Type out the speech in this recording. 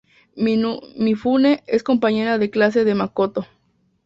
Mifune es compañera de clase de Makoto.